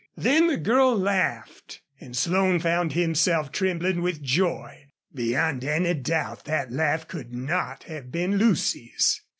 Then the girl laughed. And Slone found himself trembling with joy. Beyond any doubt that laugh could not have been Lucy's.